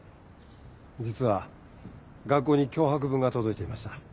実は学校に脅迫文が届いていました。